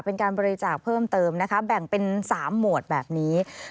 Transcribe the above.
เป็นการบริจาคเพิ่มเติมนะคะแบ่งเป็น๓หมวดแบบนี้